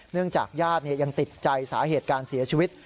จากญาติยังติดใจสาเหตุการเสียชีวิต